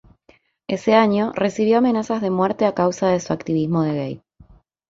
Ese año, recibió amenazas de muerte a causa de su activismo de gay.